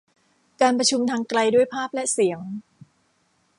การประชุมทางไกลด้วยภาพและเสียง